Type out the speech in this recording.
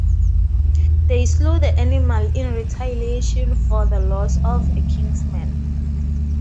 They slew the animal in retaliation for the loss of a kinsman.